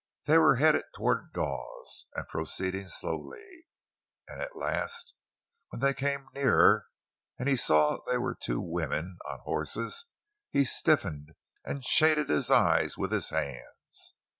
They were headed toward Dawes, and proceeding slowly; and at last, when they came nearer and he saw they were two women, on horses, he stiffened and shaded his eyes with his hands.